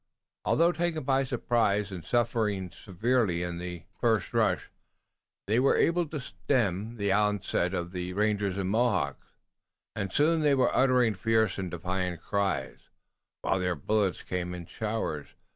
Although taken by surprise and suffering severely in the first rush, they were able to stem the onset of the rangers and Mohawks, and soon they were uttering fierce and defiant cries, while their bullets came in showers.